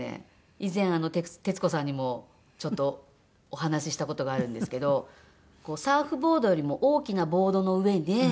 以前徹子さんにもちょっとお話しした事があるんですけどサーフボードよりも大きなボードの上で。